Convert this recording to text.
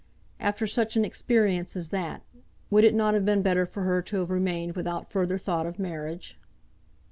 After such an experience as that, would it not have been better for her to have remained without further thought of marriage?